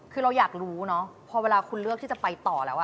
คือเราอยากรู้เนอะพอเวลาคุณเลือกที่จะไปต่อแล้ว